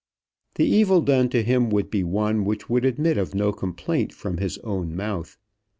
The evil done to him would be one which would admit of no complaint from his own mouth.